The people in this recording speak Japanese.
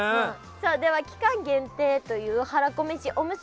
さあでは期間限定というはらこめしおむすび。